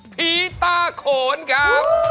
พีตาโขนครับ